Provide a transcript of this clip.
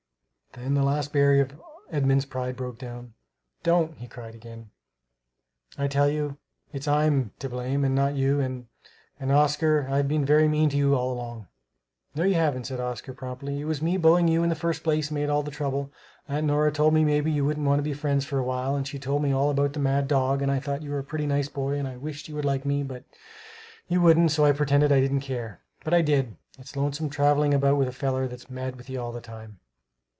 Then the last barrier of Edmund's pride broke down. "Don't," he cried again. "I tell you it's I'm to blame, not you. And and Oscar, I've been very mean to you all along" "No, you haven't," said Oscar promptly; "it was me bullying you in the first place made all the trouble. Aunt Nora told me maybe you wouldn't be friends for a while, and she told me all about the mad dog and I thought you were a pretty nice boy and I wished you would like me, but you wouldn't, so I pretended I didn't care. But I did. It's lonesome travelling around with a feller that's mad with you all the time."